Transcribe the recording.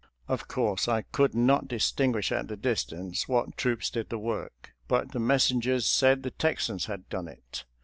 Of course, I could not distinguish at the distance what troops did the work, but the messengers said the Texans had done it.